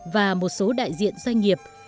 và một số đại diện doanh nghiệp